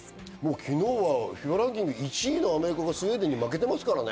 昨日はＦＩＦＡランク１位のアメリカがスウェーデンに負けてますからね。